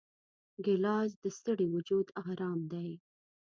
ګیلاس د ستړي وجود آرام دی.